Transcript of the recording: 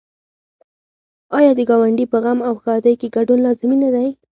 آیا د ګاونډي په غم او ښادۍ کې ګډون لازمي نه دی؟